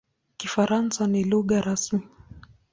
Kifaransa ni lugha rasmi.